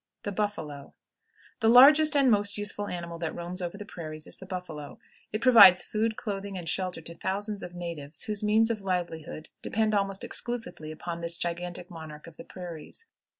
THE BUFFALO. The largest and most useful animal that roams over the prairies is the buffalo. It provides food, clothing, and shelter to thousands of natives whose means of livelihood depend almost exclusively upon this gigantic monarch of the prairies.